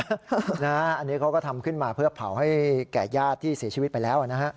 อันนี้เขาก็ทำขึ้นมาเพื่อเผาให้แก่ญาติที่เสียชีวิตไปแล้วนะฮะ